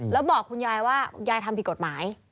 แล้วบอกคุณยายว่ายายทำผิดกฎหมาย